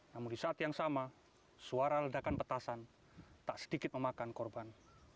namun di saat yang sama suara ledakan petasan tak sedikit memakan korban